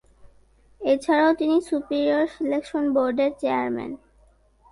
এছাড়াও তিনি superior selection বোর্ডের চেয়ারম্যান।